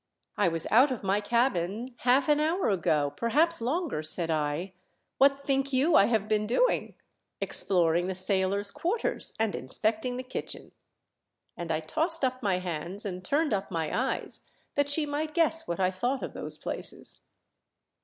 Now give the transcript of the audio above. "I was out of my cabin half an hour ago — perhaps longer," said I. " What think you I have been doing ? Exploring the sailors' quarters and inspecting the kitchen." And I tossed up my hands and turned up my eyes that she might guess what I thought of those places.